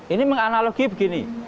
ini menganalogi begini